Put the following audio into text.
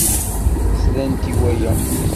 Slant i waya.